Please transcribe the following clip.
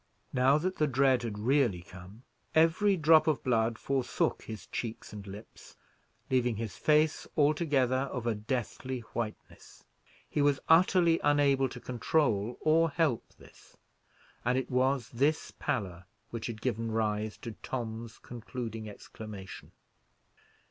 Now that the dread had really come, every drop of blood forsook his cheeks and lips, leaving his face altogether of a deathly whiteness. He was utterly unable to control or help this, and it was this pallor which had given rise to Tom's concluding exclamation.